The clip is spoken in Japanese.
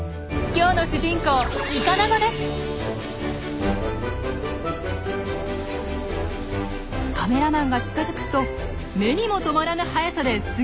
今日の主人公カメラマンが近づくと目にも留まらぬ速さで次々飛び出します。